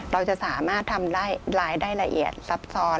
เราจะสามารถทำได้รายได้ละเอียดซับซ้อน